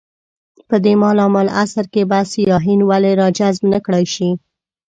په دې مالامال عصر کې به سیاحین ولې راجذب نه کړای شي.